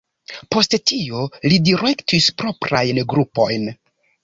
Post tio li direktis proprajn grupojn.